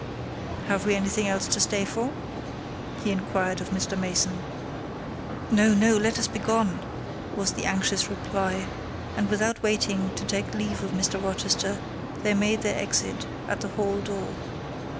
Have we anything else to stay for?" he inquired of Mr. Mason. "No, no—let us be gone," was the anxious reply; and without waiting to take leave of Mr. Rochester, they made their exit at the hall door.